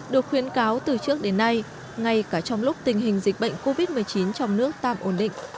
được khuyến cáo từ trước đến nay ngay cả trong lúc tình hình dịch bệnh covid một mươi chín trong nước tạm ổn định